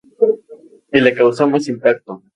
Y le causó más impacto.